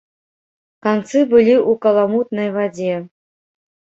Канцы былі ў каламутнай вадзе.